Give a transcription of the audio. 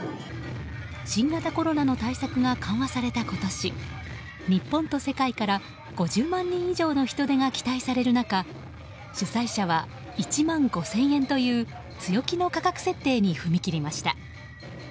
新型コロナの対策が緩和された今年日本と世界から、５０万人以上の人出が期待される中主催者は１万５０００円という強気の価格設定に踏み切りました。